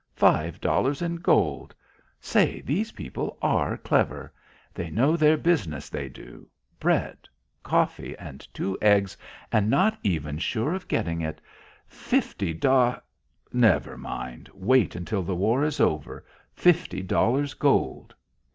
Five dollars in gold!... Say, these people are clever. They know their business, they do. Bread, coffee and two eggs and not even sure of getting it! Fifty dol ... Never mind; wait until the war is over. Fifty dollars gold!"